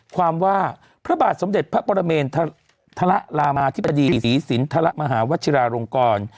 ความว่าพระบาทสมเด็จพระประเมนทะละลามาที่ประดีศรีศิลป์ทะละมหาวชิราโรงกร